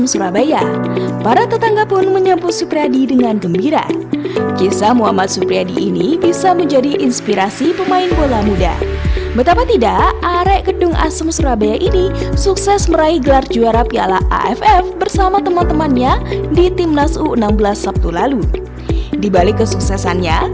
sampai jumpa di video selanjutnya